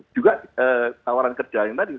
juga tawaran kerja yang tadi